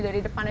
dari depan aja